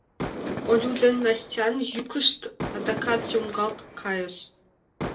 Олю ден Настян йӱкышт адакат йоҥгалт кайыш: